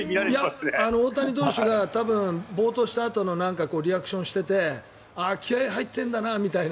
大谷投手が多分暴騰したあとのリアクションをしていて気合が入ってるんだなみたいな。